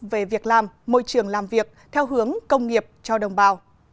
về việc làm môi trường làm việc theo hướng công nghiệp cho đồng bào